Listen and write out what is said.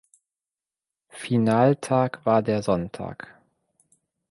Finaltag war der Sonntag.